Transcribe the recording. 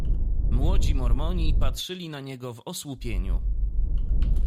"Młodzi Mormoni patrzyli na niego w osłupieniu."